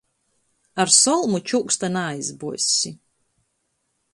Ar solmu čūksta naaizbuozsi.